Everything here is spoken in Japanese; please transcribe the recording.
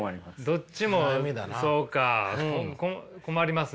どっちもそうか困りますね。